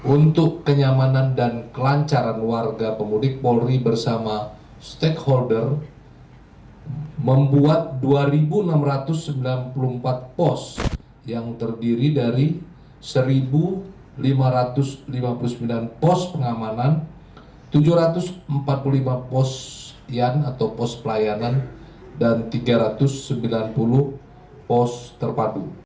untuk kenyamanan dan kelancaran warga pemudik polri bersama stakeholder membuat dua enam ratus sembilan puluh empat pos yang terdiri dari satu lima ratus lima puluh sembilan pos pengamanan tujuh ratus empat puluh lima pos pelayanan dan tiga ratus sembilan puluh pos terpadu